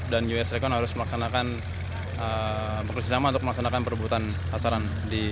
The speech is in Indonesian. dan us recon harus melaksanakan berkesisama untuk melaksanakan perebutan pasaran